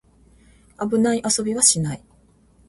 危ない遊びはしない